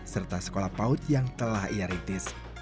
serta sekolah paut yang telah ia rintis